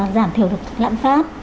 giảm thiểu lãn pháp